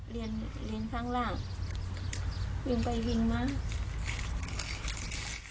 ลังที่เรียนเรียนทั่งล่างเรียนไปวินมา